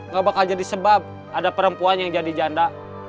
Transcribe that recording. gak bakal jadi sebab ada perempuan yang jadi janda